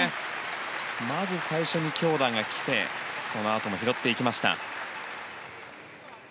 まず最初に強打が来てそのあとも拾っていきました。